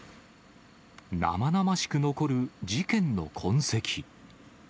なまなましく残る事件の痕跡。